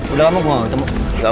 udah lama gue ketemu